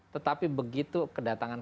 tetapi begitu kedatangan